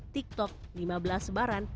tiktok lima belas sebaran